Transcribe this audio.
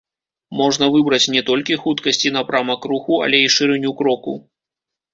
Можна выбраць не толькі хуткасць і напрамак руху, але і шырыню кроку.